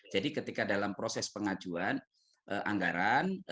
jadi ketika dalam proses pengajuan anggaran